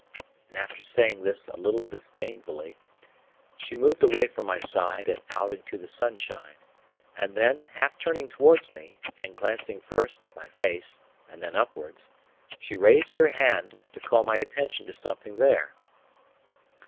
And after saying this a little disdainfully, she moved away from my side and out into the sunshine; and then, half turning towards me, and glancing first at my face and then upwards, she raised her hand to call my attention to something there.